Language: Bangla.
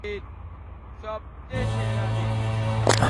সবচেয়ে সেরা দিন।